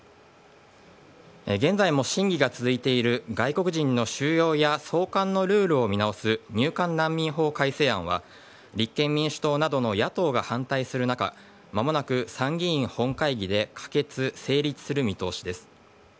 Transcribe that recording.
現在も審議が続いている外国人の収容や送還のルールを見直す入管難民法改正案は立憲民主党などの野党が反対する中間もなく参議院本会議で可決・成立する見通しです。